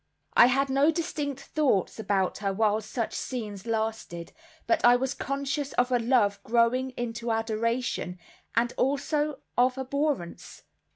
I had no distinct thoughts about her while such scenes lasted, but I was conscious of a love growing into adoration, and also of abhorrence.